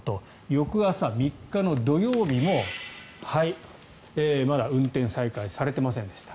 翌朝、３日の土曜日もまだ運転再開はされていませんでした。